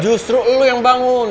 justru lo yang bangun